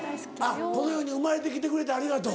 あっ「この世に生まれてきてくれてありがとう」？